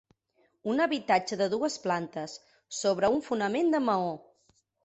Un habitatge de dues plantes, sobre un fonament de maó.